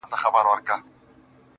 مُلا سړی سو په خپل وعظ کي نجلۍ ته ويل.